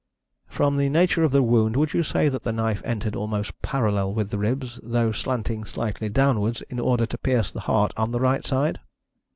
"From the nature of the wound would you say that the knife entered almost parallel with the ribs, though slanting slightly downwards, in order to pierce the heart on the right side?"